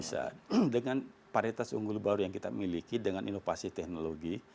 bisa dengan paritas unggul baru yang kita miliki dengan inovasi teknologi